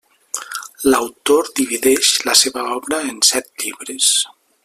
L'autor divideix la seva obra en set llibres.